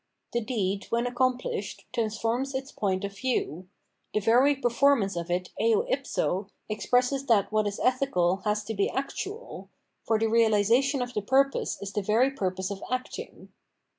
The deed when accomplished transforms its point of view : the very performance of it eo if so expresses that what is ethical has to he actual , for the realisation of the purpose is the very purpose of acting.